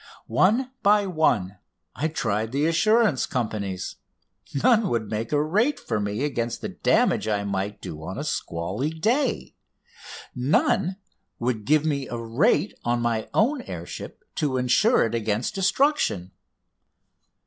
One by one I tried the assurance companies. None would make a rate for me against the damage I might do on a squally day. None would give me a rate on my own air ship to insure it against destruction.